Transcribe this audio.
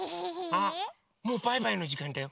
あっもうバイバイのじかんだよ！